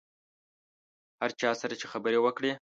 هر چا سره چې خبره وکړې.